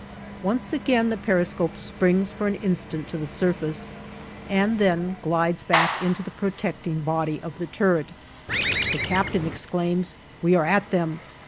Once again the periscope springs for an instant to the surface and then glides back into the protecting body of the turret. The captain exclaims, "We are at them!"